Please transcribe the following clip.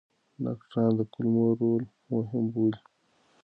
ډاکټران د کولمو رول مهم بولي.